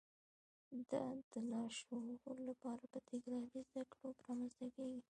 دا د لاشعور لپاره په تکراري زده کړو رامنځته کېږي